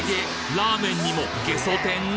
ラーメンにもゲソ天！？